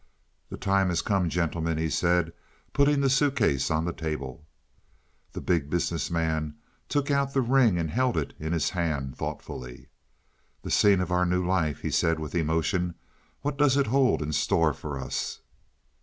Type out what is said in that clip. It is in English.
"The time has come, gentlemen," he said, putting the suitcase on the table. The Big Business Man took out the ring and held it in his hand thoughtfully. "The scene of our new life," he said with emotion. "What does it hold in store for us?"